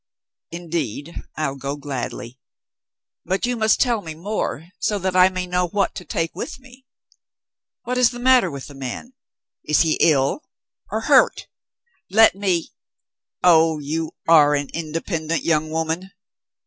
" Indeed, I'll go, gladly. But you must tell me more, so that I may know what to take with me. What is the matter with the man ? Is he ill or hurt ? Let me — oh, you are an independent young woman."